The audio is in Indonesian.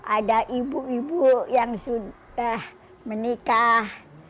ada ibu ibu yang sudah menikah